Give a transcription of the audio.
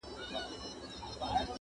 ټول مرغان دي په یوه خوله او سلا وي!!